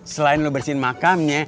selain lo bersihin makamnya